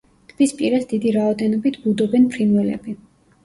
ტბის პირას დიდი რაოდენობით ბუდობენ ფრინველები.